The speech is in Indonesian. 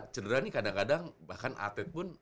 cedera nih kadang kadang bahkan atlet pun